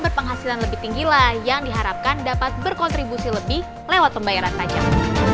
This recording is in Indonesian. berpenghasilan lebih tinggilah yang diharapkan dapat berkontribusi lebih lewat pembayaran pajak